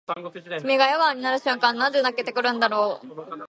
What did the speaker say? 君が笑顔になる瞬間なんで泣けてくるんだろう